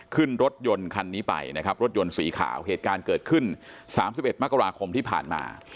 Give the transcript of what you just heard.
ขึ้นรถยนต์คันนี้ไปนะครับรถยนต์สีขาวเหตุการณ์เกิดขึ้น๓๑มกราคมที่ผ่านมา